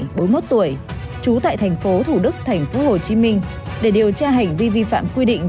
ông đào sơn hải bốn mươi một tuổi trú tại thành phố thủ đức tp hcm để điều tra hành vi vi phạm quy định